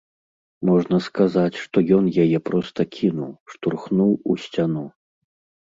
Можна сказаць, што ён яе проста кінуў, штурхнуў у сцяну.